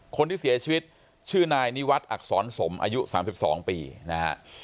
คนที่เสียชีวิตชื่อนายนิวัฒน์อักษรสมอายุ๓๒ปีนะฮะ